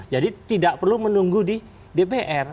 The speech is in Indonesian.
jadi tidak perlu menunggu di dpr